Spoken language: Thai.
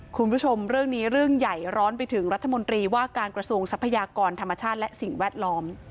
คุณผู้ชมเรื่องนี้เรื่องใหญ่ร้อนไปถึงรัฐมนตรีว่าการกระทรวงทรัพยากรธรรมชาติและสิ่งแวดล้อม